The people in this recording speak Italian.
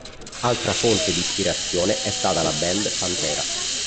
Altra fonte di ispirazione è stata la band Pantera.